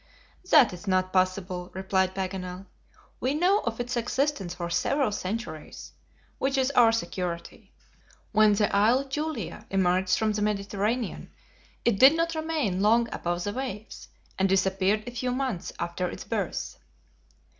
"That is not possible," replied Paganel. "We know of its existence for several centuries, which is our security. When the Isle Julia emerged from the Mediterranean, it did not remain long above the waves, and disappeared a few months after its birth."